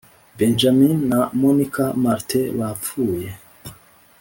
Benjamin na Monica Martin bapfuye